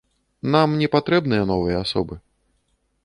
Нам не патрэбныя новыя асобы.